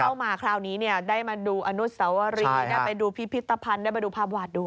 เข้ามาคราวนี้ได้มาดูอนุสวรีได้ไปดูพิพิตภัณฑ์ได้มาดูภาพวาดดัว